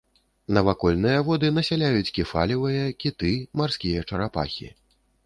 Навакольныя воды насяляюць кефалевыя, кіты, марскія чарапахі.